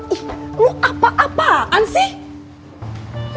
ih lo apa apaan sih